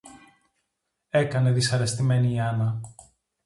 έκανε δυσαρεστημένη η Άννα